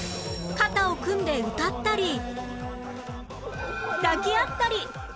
肩を組んで歌ったり抱き合ったり